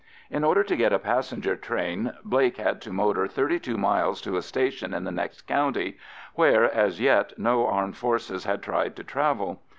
In order to get a passenger train Blake had to motor thirty two miles to a station in the next county, where, as yet, no armed forces had tried to travel.